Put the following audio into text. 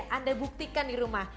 anda buktikan di rumah